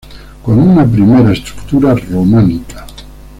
Con una primera estructura románica.